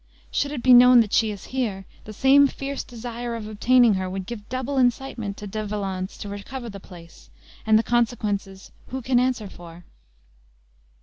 Should it be known that she is here, the same fierce desire of obtaining her would give double incitement to De Valence to recover the place; and the consequences, who can answer for?"